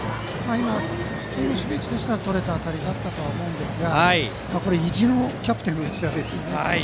普通の守備位置ならとれた当たりだったと思いますが意地のキャプテンの一打ですよね。